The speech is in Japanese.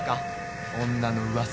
女の噂。